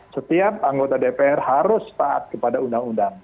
setiap anggota dpr harus taat kepada undang undang